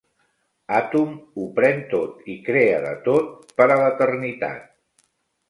Athum ho pren tot i crea de tot, per a l'eternitat.